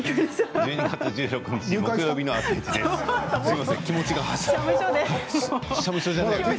１２月１６日木曜日の「あさイチ」です。